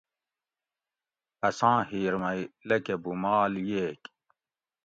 اساں ھیر می لکہ بُومال ییگ